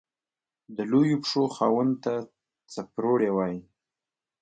د لويو پښو خاوند ته څپړورے وائي۔